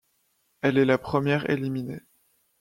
Elle est la première éliminée.